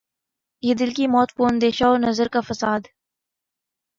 یہ دل کی موت وہ اندیشہ و نظر کا فساد